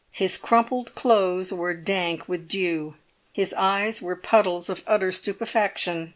His crumpled clothes were dank with dew. His eyes were puddles of utter stupefaction.